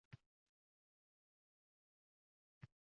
Oxir-oqibat bechora qoʻshnilaringiz mahalladan koʻchib qutulishdi.